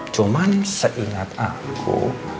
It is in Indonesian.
cuman seingat aku